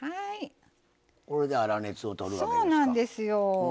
これで粗熱をとるわけですか。